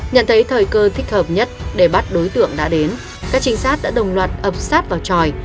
nhận thấy thời cơ thích hợp nhất để bắt đối tượng đã đến các trinh sát đã đồng loạt ập sát vào tròi